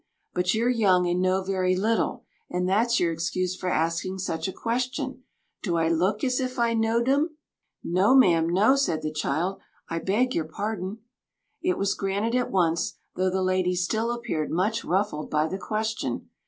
But you're young and know very little, and that's your excuse for asking such a question. Do I look as if I knowed 'em?" "No, ma'am, no," said the child. "I beg your pardon." It was granted at once, though the lady still appeared much ruffled by the question.